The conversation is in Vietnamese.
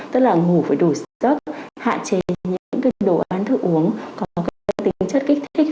tức là ngủ với đủ sức hạn chế những cái đồ ăn thức uống có cái tính chất kích thích